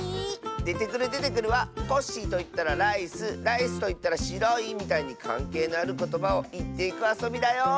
「デテクルデテクル」は「コッシーといったらライスライスといったらしろい」みたいにかんけいのあることばをいっていくあそびだよ！